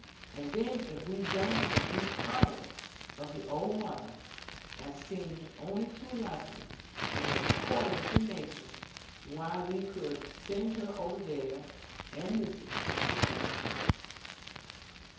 And then if we young people grew tired of the old mother, as seemed only too likely, and was according to nature, why we could send her over there, and Lizzie to keep her company.